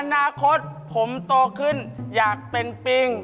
อนาคตผมโตขึ้นอยากเป็นปิ้ง